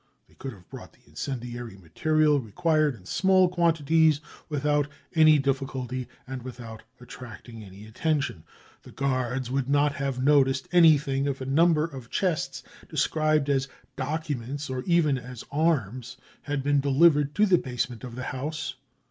They could have brought the incendiary material re quired in small quantities without any difficulty and without attracting any attention. The guards would not have noticed anything if a number oi chests described as documents or even as " arms " had been delivered to the basement of the house.